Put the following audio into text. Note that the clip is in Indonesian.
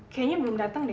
kayaknya belum datang deh